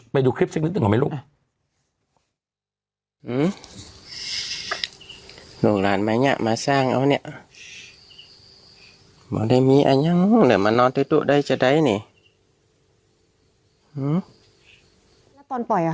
ไปดูคลิปสักนิดหนึ่งก่อนไหมลูก